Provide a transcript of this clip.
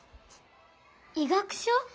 医学書？